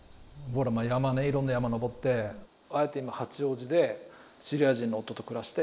山ねいろんな山登って今八王子でシリア人の夫と暮らして。